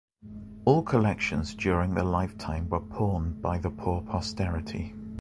All collections during the lifetime were pawned by the poor posterity.